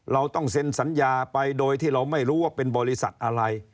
เราต้องเซ็นสัญญาไปโดยที่เราไม่รู้ว่าเป็นบริษัทอะไร